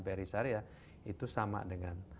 peri syariah itu sama dengan